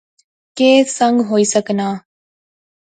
کہہ سنگ ہوئی سکنا